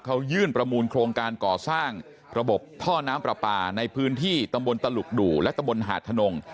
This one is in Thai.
เขายื่นประมูลโครงการก่อสร้างระบบท่อน้ำปลาปลาในพื้นที่ตำบลตลุกดู่และตะบนหาดทนง